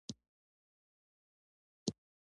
زردالو د مربا لپاره ښه مواد لري.